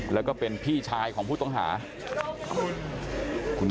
แล้วก็เป็นพี่ชายของผู้ต้องหา